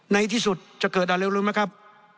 ในที่สุดจะเกิดอะไรรู้ไหมครับ